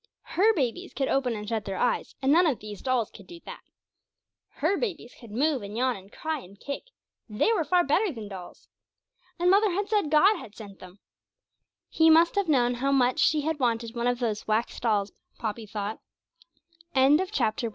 Her babies could open and shut their eyes, and none of these dolls could do that. Her babies could move, and yawn, and cry, and kick; they were far better than dolls. And mother said God had sent them! He must have known how much she had wanted one of those wax dolls, Poppy thought. CHAPTER II. POPPY'S WORK.